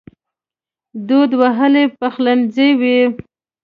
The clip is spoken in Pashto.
دود وهلی پخلنځی وي